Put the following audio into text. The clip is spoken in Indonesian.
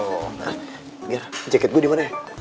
mir jaket gue dimana ya